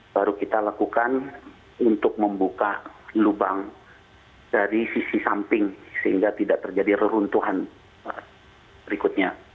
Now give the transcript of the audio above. baru kita lakukan untuk membuka lubang dari sisi samping sehingga tidak terjadi reruntuhan berikutnya